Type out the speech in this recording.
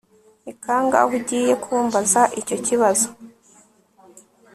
Ni kangahe ugiye kumbaza icyo kibazo